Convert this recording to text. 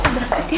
kita berangkat ya